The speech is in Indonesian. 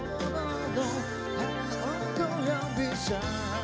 hanya engkau yang bisa